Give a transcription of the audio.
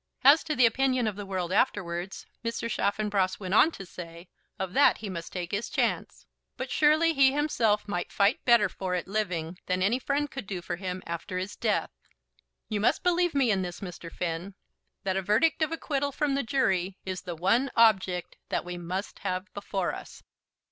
As to the opinion of the world afterwards, Mr. Chaffanbrass went on to say, of that he must take his chance. But surely he himself might fight better for it living than any friend could do for him after his death. "You must believe me in this, Mr. Finn, that a verdict of acquittal from the jury is the one object that we must have before us."